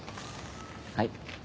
はい。